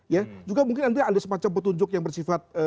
ya juga mungkin nanti ada semacam petunjuk yang bersifat